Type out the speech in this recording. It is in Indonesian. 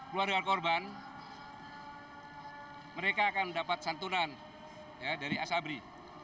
keluarga korban mereka akan mendapat santunan dari asabri